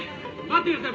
待ってください。